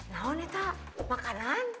naon ya teh makanan